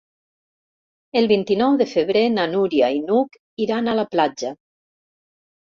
El vint-i-nou de febrer na Núria i n'Hug iran a la platja.